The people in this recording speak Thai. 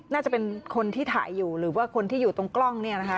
น่าจะเป็นคนที่ถ่ายอยู่หรือว่าคนที่อยู่ตรงกล้องเนี่ยนะคะ